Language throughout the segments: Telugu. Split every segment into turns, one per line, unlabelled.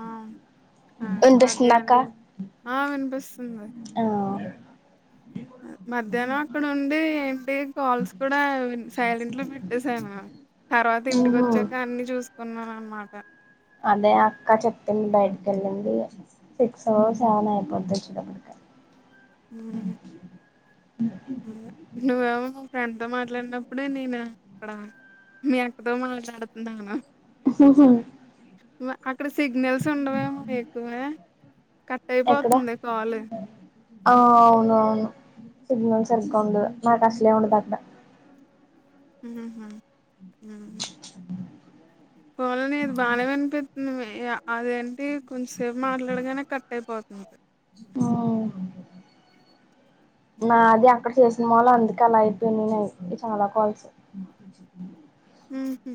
ఆ అదే
వినిపిస్తుందా
మధ్యాన్
అక్క
ఆ వినిపిస్తుంది
ఆ
ఆ మధ్యాహ్నం అక్కడ ఉండి ఏంటి కాల్స్ కూడా సైలెంట్ లో పెట్టేసాను తర్వాత ఇంటికి
ఉహు
వచ్చాక అన్ని చూసుకున్నాను అన్నమాట
అదే అక్క చెప్పింది బయటికి వెళ్ళింది సిక్స్ ఓ సెవెన్ ఓ అయిపోద్ది వచ్చేసరికే
ఉ నువ్వ ఫ్రెండ్ తో మాట్లాడినప్పుడే నేను అక్కడ మీ అక్కతో మాట్లాడుతున్నాను
హుహు
అక్కడ సిగ్నల్స్ ఉండవేమో ఎక్కువ కట్
ఎక్కడ
అయిపోతుంది కాల్
ఆ అవును అవును సిగ్నల్ సరిగ్గా ఉండదు నాకు అసలే ఉండదు అక్కడ
ఉహు హు పోన్లే ఇది బాగానే వినిపిస్తుంది అదేంటి కొంచంసేపు మాట్లాడగానే కట్ అయిపో అఓ
మాది అక్కడ చేసిన ముళ్ళ అందుకే అలా అయిపోయినాయి చాలా కాల్స్ చె
హుహు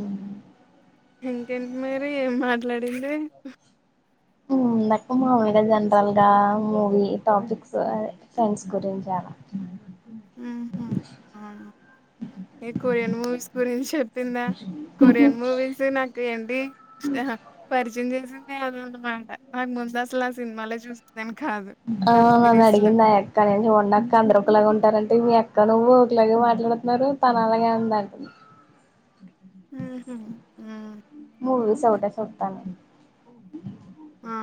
ఉమ్
ఇంకేంటి మరి ఏం మాట్లాడింది
నక్కు మాముల్గా జనరల్ గా మూవీ టాపిక్స్ అ ఫ్రెండ్స్ గురించి అ లా
ఉహు ఆ ఏ కొరియన్ మూవీస్ గురించి చెప్పిందా కొరియన్ మూవీస్ నాకు ఏంటి ఆహా పరిచయం చేసి అదే అనామాట ఆ ముందాసల ఆ సినిమాలే చూస్త
ఆ నన్ను అడిగింది ఆ యక్క నేన్ ఉండక్క అందరు ఒకలాగా ఉంటారడి అంటే మీ అక్క నువ్వు ఒకలాగ మాట్లాడుతున్నారు తన అలాగే అందన్
ఉహు ఉమ్
మూవీస్ సోవాటే సుత్తను నేన్
ఆ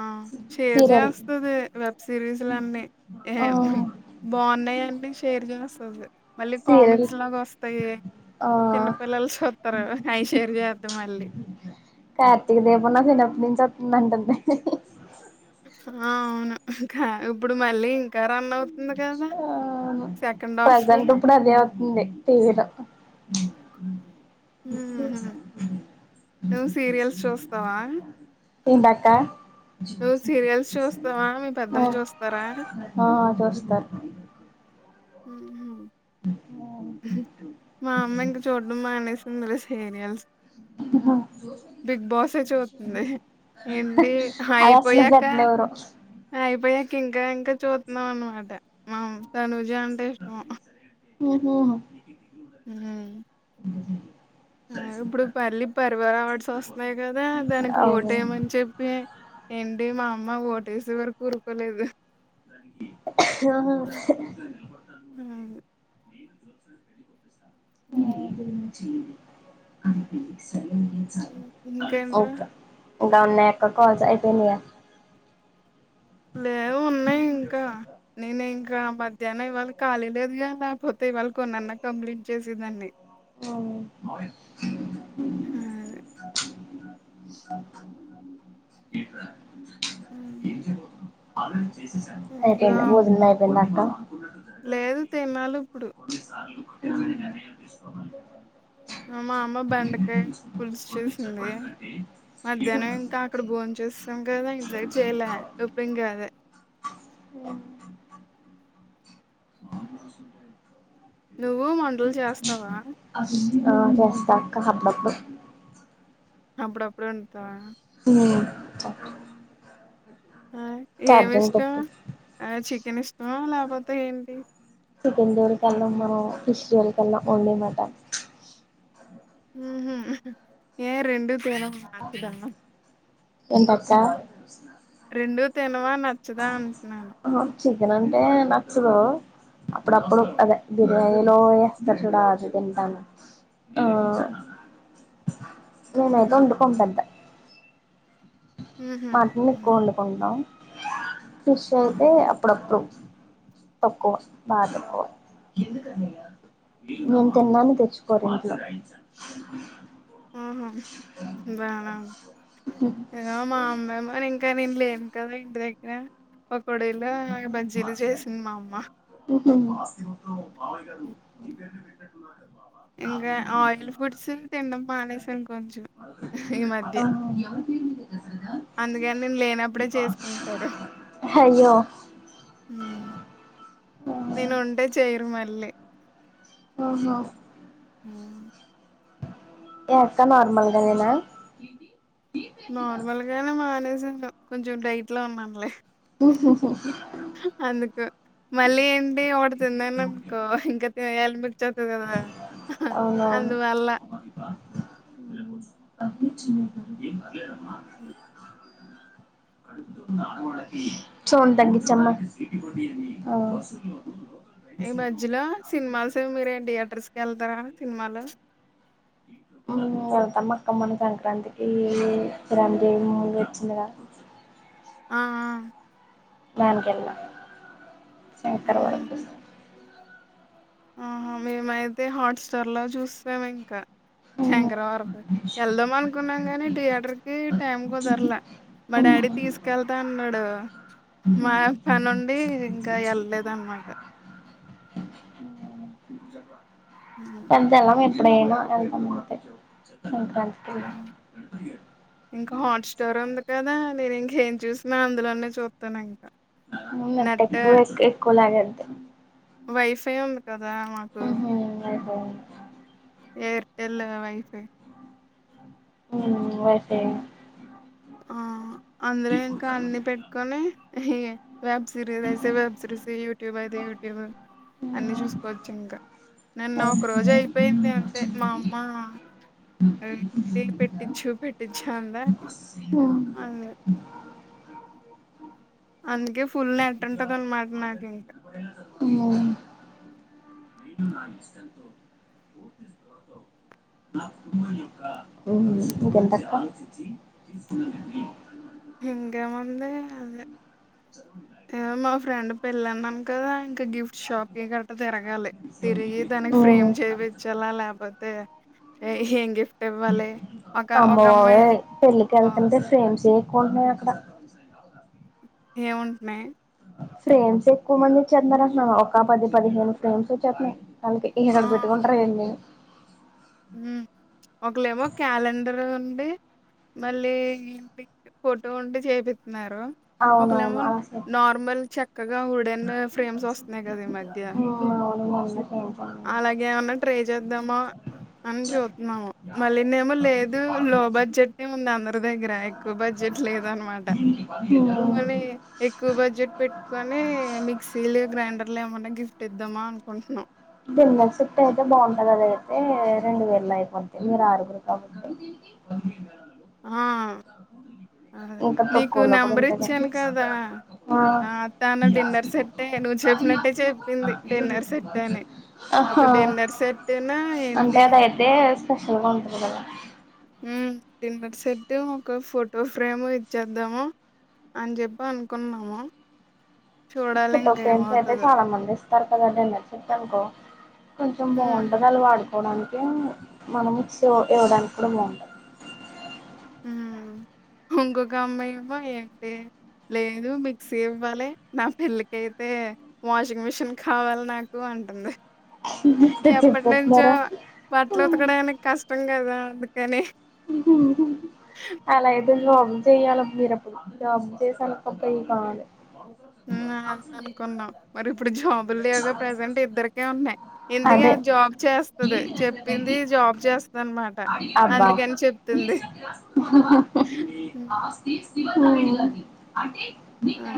షేర్
సీరియల్
చేస్తది వెబ్ సిరీస్లన్నీ ఏ
ఆ
బాగున్నాయి అంటే షేర్ చేస్తుంది మళ్ళీ
సీరియల్
కామిక్స్ లాగా వస్తాయి
ఆ
చిన్నపిల్లలు సూస్తారు అయి షేర్ చేద్దది మళ్ళీ
కార్తీక దీపం నా చిన్నప్పటి నుంచి వస్తుందంటంద్ది
హా అవును ఇంకా ఇప్పుడు మళ్ళీ ఇంకా రన్ అవుతుంది కదా సెకండ్ హాఫ్
ఉంది టీవీలో
హుహు. నువ్వు సీరియల్స్ చూస్తావా?
ఏంటక్క
నువ్వు సీరియల్స్ చూస్తావా? మీ పెద్దమ్మ చూస్తారా?
ఉమ్ ఆ అది వస్తాద్
ఉహు మా అమ్మ ఇంకా చూడం మానేసిందిలే సీరియల్స్ బిగ్ బాసే చూతుంది ఎంటి
అది అసలు
ఆయిపోయాక
పెట్టనివ్వరు
ఆయిపోయా ఇంకా ఇంకా చూతున్నాం అనమాట మం తనుజా అంటే ఇష్టం
ఉహు
ఉమ్ ఆ ఇప్పుడు పల్లి పరవ రావాల్సి వస్తున్నాయి కదా దానికి ఓటేయ్యమని చెప్పి ఏంటి మా అమ్మ ఓటేసే వరకు ఉరుకోలేదు
ఆ
ఆ,
ఏది ఇంకా
ఇంకేంట్రా
ఒక నాకా కాల్ ఇపోయినాయా
లేవు ఉన్నాయి ఇంకా నేను ఇంకా మధ్యాహ్న ఇవాళ కాలీ లేదు గా లేకపోతే ఇవాళ కొన్నాన్నా కంప్లీట్ చేసేదాంన్ని
అవును
ఉమ్ అది ఉమ్ ఇంకా
అయిపోయిదా భోజనం అయిపోయిందా అక్క
లేదు తినాలు
ఉమ్
మా అమ్మ బండకాయ పులుసుచేసింది మధ్యాహ్నం ఇంకా అక్కడ భోంచసి ఇంకా ధాంక్ చేయలే ఎప్పుడు ఏం కాదు
ఉమ్ అ
నువ్వు మంటలు చేస్తావా
ఆ చేస్తా అక్క హబ్బబ్బ
అప్పుడప్పుడు వండుతావా
ఉ
ఆ ఏమి ఇష్టం
పెట్టు
ఆ చికెన్ ఇష్టమా లేకపోతే ఏంటి
చికెన్ జోలికి వెళ్ళం మనం, ఫిష్ జోలికి వెళ్ళాం ఓన్లీ మటన్
ఉహు ఏ రెండు తేడాగా ఉన్న తినను
ఎం పర్స
రెండూ తినవా నచ్చదా అంటనాను.
చికెన్ అంటే నచ్చదు. అప్పుడ అప్పుడు అదే బిర్యానీలో ఎస్తార చూడు అ చికెన్ టాను ఆ నేనైతే
ఉహు
ఉండుకుం పెద్ద
ఉహు
మటన్
ఉహు.
ఎక్కువ వండుకుంటాం. ఫిష్
ఆహా
అయితే అప్పుడప్పుడు తక్కువ బా తక్కువ నేం
ఉమ్.
తిననని తెచ్చుకోరు ఇంట్లో
ఆహ బానేఉంది ఇగోమ మెమోన్ ఇంకా నేను లేను కదా ఇంటి దగ్గర కొడేలా బజ్జిలు చేసింది మా అమ్మ
ఉమ్ ఆస్తి మొత్తం బావ గదు
ఇంకా ఆయిల్ ఫుడ్స్ తినడం మానేసాను కొంచెం ఈ మధ్య
ఆహుమ్
అందుకని నేను లేనప్పుడే
హయ్యో
ఉ నేను
ఆహా
ఉంటే చేయరు మళ్ళీ
ఓహో ఏక్క నార్మల్గానేనా
నార్మల్ గానే మానేసి ఉంటాం కొంచెం డైట్ లో ఉన్నాను లే
ఉ ఊ ఊ
అందుకు మళ్ళీ ఏంటి ఒకటి తిన్నననుకో ఇంకా తినేయ్యాలనిప్పించేతదేమో నాకు అహ అందువల్ల
వా లవ్ ఈస్ చిన్ను
మ్
సౌండ్ తగ్గించమ్మ. ఆ
ఈ మధ్యలో సినిమాల్స్ మీరే థియేటర్స్ కి వెళ్తారా సినిమాలు
మేము ఎల్తాము అక్క మన సంక్రాంతికి ఈ రాణదేవ్ మూవీ వచ్చింది కదా.
ఆ ఆ
దాని కింద శంకర్ వర
మ్మ్.
ప్రసాద్
ఆహా మేమైతే హాట్స్టార్ లో చూస్తాం ఇంకా శంకరవరప వెళ్దాం అనుకున్నాం కానీ థియేటర్ కి టైం కుదరలా మా డాడీ తీసుకెళ్తా అన్నాడు. మా పనుండి ఇంకా వెళ్ళలేదు అన్నమాట.
అంత ఎల ఎప్పుడ ఏనా ఎంత మాట సంక్రాంతిలో
ఇంకా హాట్స్టార్ ఉంది కదా, నేను ఇంకేం చూసిన అందులోనే చూత్తాను ఇంకా.
ఊ ఎంత
నెట్
ఎక్కువ ఎస్ ఎక్కువలాగేద్ది.
వైఫై ఉంది కదా మాకు
అవునా
ఏర్టెల్ వైఫై
ఉ వసే
ఆ అందులో ఇంకా అన్ని పెట్టుకొని, వెబ్ సిరీస్ అయితేే వెబ్ సిరీస్, యూట్యూబ్ అయితే యూట్యూబ్, అన్ని చూసుకోవచ్చు ఇంకా నన్ను ఒక రోజు అయిపోయింది. అంతే మా అమ్మ టీవీ పెట్టిచ్చు పెట్టించు అందా,
ఆ
అందు అందుకే ఫుల్ నెట్ ఉంటదనమాట నాకిం
ముమ్ [unintelligible] [unintelligible]
ఇకే ముంది అదె ఇగో మా ఫ్రెండ్ ఫ్రెండ్ పెళ్ళన్నాం కదా ఇంకా గిఫ్ట్ షాపికి గట్ట తిరగాలి తిరిగి దానికి ఫ్రేమ్ చేపించాలా లేపోతే, హేంగిఫ
అమ్మో ఈ పెళ్ళికి
ఆ
ఏళ్తుంటే ఫ్రేమ్స్ ఉన్నాయి అక్కడ
ఎం ఉంటున్నాయి,
ఫ్రేమ్స్ ఎక్కువ మంది వచ్చేస్తున్నారు, అంటన్నా ఒక పది పదిహేను ఫ్రేమ్స్ వచ్చేస్తున్నాయి. కనకి ఎక్కడ పెట్టుకుంటారు, ఏంది
ఉ ఒకలేమో క్యాలెండర్ మళ్ళీ ఫోటో ఉంటే చేపి తున్నారు
అవునవును
ఒకలేమో
అలా
నార్మల్ చె చక్కగా ఉడెన్ ఫ్రేమ్స్ వస్తున్నాయి. కదా ఈ మధ్య
అవును మొన్న ఫ్రేమ్స్
అలాగే ఏమన్నా, ట్రై చేద్దామా అని చూతున్నాము మళ్ళీనేేమో లేదు లో బడ్జెట్ లే ఉంది అందరి దగ్గర ఎక్కువ బడ్జెట్ లే లేదనమాట పోనీ ఎక్కువ బడ్జెట్ పెట్టుకోని కొన్ని మిక్సీలు గ్రైండర్లు ఏమన్నా గిఫ్ట్ ఇద్దామా అనుకుంటున్నాం,
డిన్నర్ సెట్ అయితే బాగుంటది, అది అయితే రెండు వేలు అయిపోతాయి మీరు ఆరుగురు కాబట్టి, [unintelligible]
ఆ అదే
ఇంకా
నీకు
తక్కువలో కూడా
నెంబర్
ఉంటది
ఇచ్చాను కదా ఆ తను డిన్నర్ సెట్ నువ్వు చెప్పినట్టే చెప్పింది డిన్నర్ సెట్ అని ఒక
ఆహా
డిన్నర్ సెట్ ను
అంటే
ఏంటి
అదయితే స్పెషల్ గా ఉంటది కదా
డిన్నర్ సెట్ ఒక ఫోటో ఫ్రేమ్ ఇచ్చేద్దాము. అని చెప్పి అనుకున్నాము, చూడాలి
పోటో
ఇంక
ఫ్రెమ్స్ అయితే
ఏమవుతదో
చాలా మంది, ఇ తనకు అది అంటే నచ్చిందానుకో అనుకో కొంచెం
హ్మ్
బాగుంటది వాళ్ళు వాడుత పోడానికి మనము మిక్సీ ఇవ్వడానికి కూడా బాగుంటది.
హు ఇంకొక అమ్మాయి ఇవు ఎంటి లేదు మిక్సీ ఇవ్వాలి నా పెళ్లికియితే వాషింగ్ మిషిన్ కావాలి నాకు అ ఉంటుంది
బాగుంటది
ఎప్పటి నుంచో
చెప్పేస్తున్నారా
బట్లు ఉతకడానికి కష్టం కదా అందుకని,
అలా అయితే
హ్మ్.
జాబ్ లు చెయ్యాల మీరప్పుడు జాబ్స్ చేసి అనుకుంటే ఇవి కావాలి
అనుకున్నాం మరి ఇప్పుడు జాబ్ లు లేవుగా ప్రజెంట్ ఇద్దరికే ఉన్నాయి, ఎందుకే
అదే
జాబ్ చేస్తంది చెప్పింది జాబ్ చేస్తుంది అనమాట అందుక హ్మ్.
హు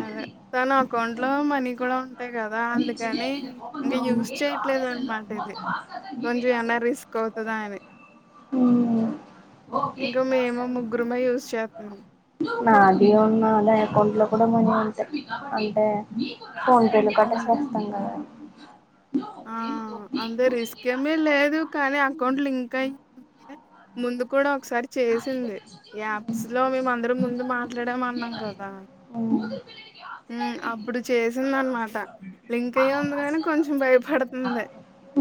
అదే తన అకౌంట్ లో మనీ కూడా ఉంటాయి కదా అందుకని ఇంకా యూస్ చేయట్లేదు అనమాట ఇది కొంచెం ఏన్న రిస్క్ అవుతదా అని
ఉ ఓకే
ఇంకా మేము ముగ్గురమే యూజ్ చేస్తున్నాం
నాది ఉన్నది అకౌంట్ లో కూడా మనీ ఉంటె అంటే ఫోన్ పేలు కట్టే‌సి
ఉమ్
వస్తాం కద
ఆ అంతే రిస్క్ ఏమీ లేదు కానీ అకౌంట్ లింక్ అయ్ వుంటే ముందు కూడా ఒకసారి చేసింది యాప్స్ లో మేము అందరం ముందు మాట్లాడం అన్నాం కదా ఉ అబ్బుడు చేసిందనమాట లింక్ అయ ఉంది కానీ కొంచెం భయపడుతుంది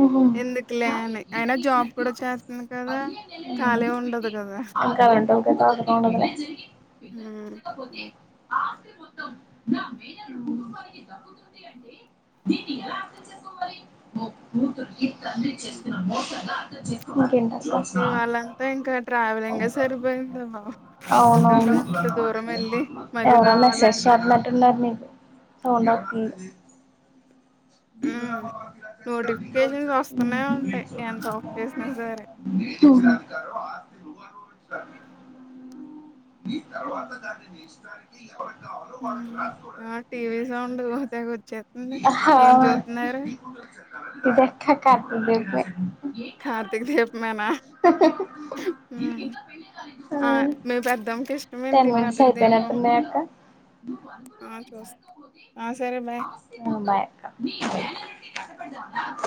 ఓహో
ఎందుకులే అని అయినా జాబ్ కూడా చేస్తుంది కదా ఖాళీ ఉండదు గదా
[unintelligible] ఖాలీగా వుండదులే లా ఇంకేమి
ఉమ్ ఇవాళంతా ఇంకా ట్రావెలింగే సరిపోయిందను
అవునవును
మళ్ళీ
ఎవరొ మెస్సేజ్
రావాలంటే
చేత్తన్నట్టు ఉన్నారు నీకి సౌండక్కి
ఉమ్ నోటిఫికేషన్స్
ఉమ్.
వస్తూనే ఉంటాయి ఎంత ఆఫ్ చేసినా సరే
చూసా మీ తర్వాత దానిని ఇష్టనికి ఎవరి
ఉమ్ ఆ
అ
టీవీ సౌండ్ తెగ వచ్చేతుంది
ఆహా
ఏం చూతున్నారు
అవును [unintelligible]
కార్తిక దీపమేన
ఆ
పెద్దమ్మకి ఇష్టమేంటి
టెన్ మినిట్స్
కార్తీక దీపం
అయిపోయినట్టుంది అక్క
ఆ చూస్త ఆ సరే బాయ్
ఉ బాయ్ అక్కా ా